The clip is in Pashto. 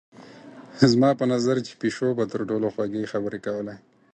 زما په نظر چي پيشو به تر ټولو خوږي خبري کولی